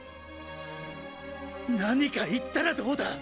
何か言ったらどうだ⁉